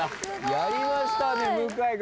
やりましたね向井君。